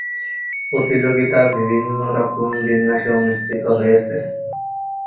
প্রতিযোগিতা বিভিন্ন রকম বিন্যাসে অনুষ্ঠিত হয়েছে।